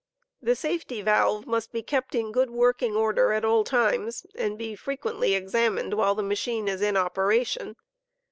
The safety valve mast be kept in good working* order at all times, and be fre quently examined while the machine is in operation.